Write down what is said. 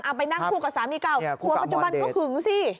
ไปนั่งคู่กับสามีเก่าผัวปัจจุบันก็หึงสิ